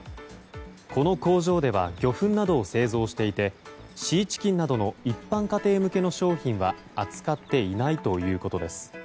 この工場では魚粉などを製造していてシーチキンなどの一般家庭向けの商品は扱っていないということです。